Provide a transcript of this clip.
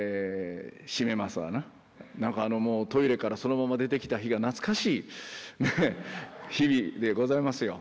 なんかトイレからそのまま出てきた日が懐かしい日々でございますよ